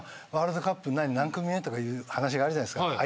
ワールドカップ何組目とかいう話があるじゃないですか。